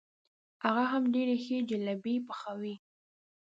هغه هم ډېرې ښې جلبۍ پخوي.